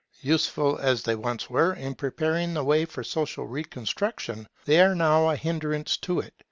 Useful as they once were in preparing the way for social reconstruction, they are now a hindrance to it.